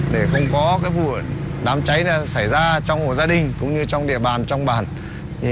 để không có vụ đám cháy xảy ra trong một gia đình cũng như trong địa bàn trong bàn